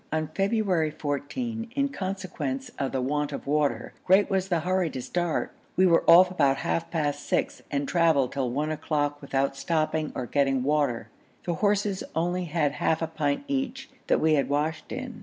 On February 14, in consequence of the want of water, great was the hurry to start; we were off about half past six, and travelled till one o'clock without stopping or getting water; the horses only had half a pint each, that we had washed in.